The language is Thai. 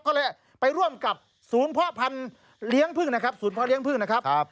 ก็เลยไปร่วมกับศูนย์พ่อพันธุ์เลี้ยงพึ่งนะครับศูนย์พ่อเลี้ยงพึ่งนะครับ